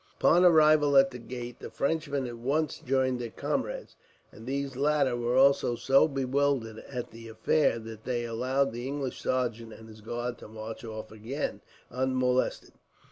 Upon arrival at the gate the Frenchmen at once joined their comrades, and these latter were also so bewildered at the affair, that they allowed the English sergeant and his guard to march off again, unmolested.